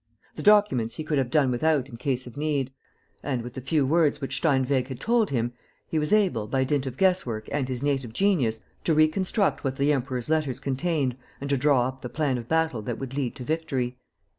The documents he could have done without in case of need; and, with the few words which Steinweg had told him, he was able, by dint of guess work and his native genius, to reconstruct what the Emperor's letters contained and to draw up the plan of battle that would lead to victory.